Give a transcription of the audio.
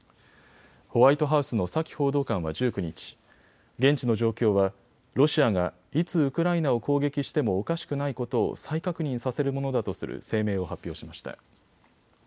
ホワイトハウスのサキ報道官は１９日、現地の状況はロシアが、いつウクライナを攻撃してもおかしくないことを再確認させるものだとする声明を発表しました。